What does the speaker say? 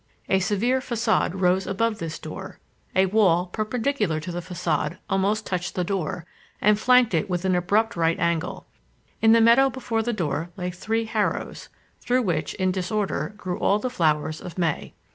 A severe façade rose above this door; a wall, perpendicular to the façade, almost touched the door, and flanked it with an abrupt right angle. In the meadow before the door lay three harrows, through which, in disorder, grew all the flowers of May.